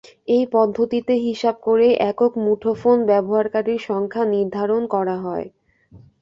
এই পদ্ধতিতে হিসাব করেই একক মুঠোফোন ব্যবহারকারীর সংখ্যা নির্ধারণ করা হয়।